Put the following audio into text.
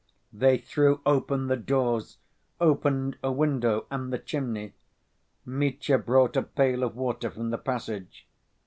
They threw open the doors, opened a window and the chimney. Mitya brought a pail of water from the passage.